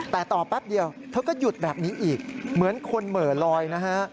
แต่ต่อแป๊บเดียวเธอก็หยุดแบบนี้อีกเหมือนคนเหม่อลอยนะฮะ